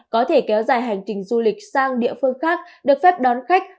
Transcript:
có thể kéo dài hành trình du lịch sang địa phương khác được phép đón khách